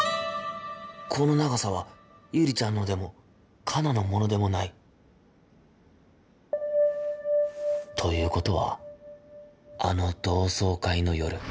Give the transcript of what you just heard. この長さはゆりちゃんのでも花奈のものでもないという事はあの同窓会の夜